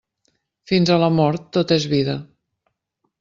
Fins a la mort, tot és vida.